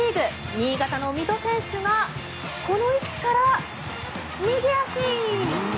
新潟の三戸選手がこの位置から右足！